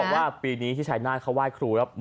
ก็บอกว่าปีนี้ที่ชายนาธเขาว่ายครูแล้ว